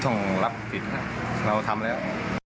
ต้องรับผิดนะเราทำแล้ว